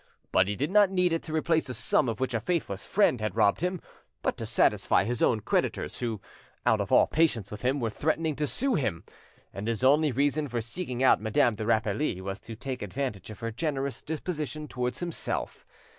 But he did not need it to replace a sum of which a faithless friend had robbed him, but to satisfy his own creditors, who, out of all patience with him, were threatening to sue him, and his only reason for seeking out Madame de Rapally was to take advantage of her generous disposition towards himself.